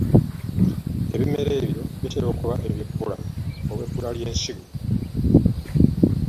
Ebimera ebyo bitera okuba ebyebbula olw’ebbula ly’ensigo.